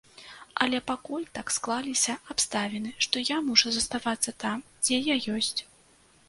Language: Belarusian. Але пакуль так склаліся абставіны, што я мушу заставацца там, дзе я ёсць.